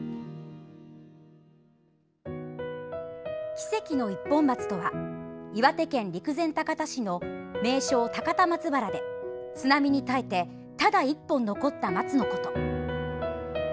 「奇跡の一本松」とは岩手県陸前高田市の名勝高田松原で津波に耐えてただ１本残った松のこと。